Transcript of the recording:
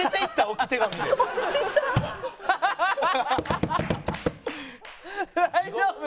大丈夫？